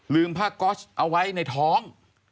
ผ้าก๊อตเอาไว้ในท้อง